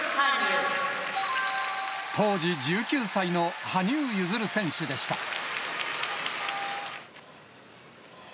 当時１９歳の羽生結弦選手でした。